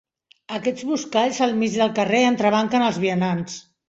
Aquests buscalls al mig del carrer entrebanquen els vianants.